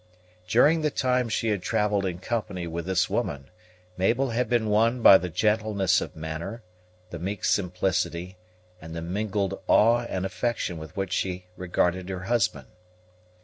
During the time she had travelled in company with this woman, Mabel had been won by the gentleness of manner, the meek simplicity, and the mingled awe and affection with which she regarded her husband.